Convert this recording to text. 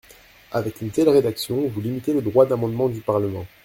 Avec une telle rédaction, vous limitez le droit d’amendement du Parlement.